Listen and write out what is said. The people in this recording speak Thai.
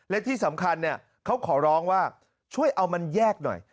และที่สำคัญเขาขอร้องว่าช่วยเอามันแยกหน่อย